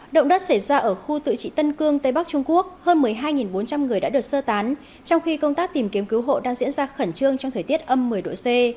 động đất xảy ra ở khu tự trị tân cương tây bắc trung quốc hơn một mươi hai bốn trăm linh người đã được sơ tán trong khi công tác tìm kiếm cứu hộ đang diễn ra khẩn trương trong thời tiết âm một mươi độ c